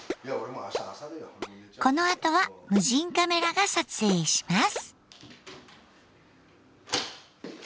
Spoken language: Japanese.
このあとは無人カメラが撮影します。